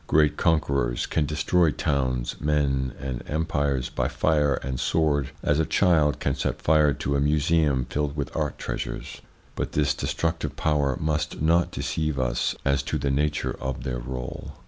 Great conquerors can destroy towns, men, and empires by fire and sword as a child can set fire to a museum filled with art treasures ; but this de structive power must not deceive us as to the nature ITS INFLUENCE ON THEIR EVOLUTION 203 of their role.